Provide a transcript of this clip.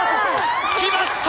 きました！